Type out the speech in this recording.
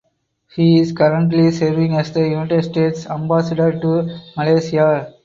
He is currently serving as the United States Ambassador to Malaysia.